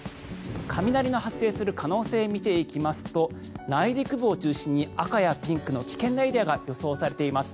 雷の発生する可能性を見ていきますと内陸部を中心に赤やピンクの危険なエリアが予想されています。